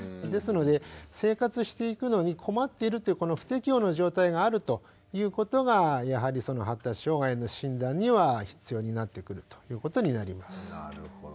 ですので生活していくのに困っているというこの「不適応」の状態があるということがやはりその発達障害の診断には必要になってくるということになります。